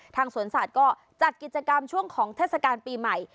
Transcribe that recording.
สวนสัตว์ก็จัดกิจกรรมช่วงของเทศกาลปีใหม่